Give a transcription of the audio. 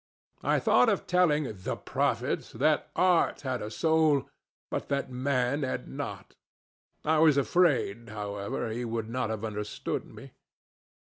I thought of telling the prophet that art had a soul, but that man had not. I am afraid, however, he would not have understood me."